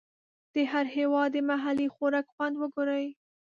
د هر هېواد د محلي خوراک خوند وګورئ.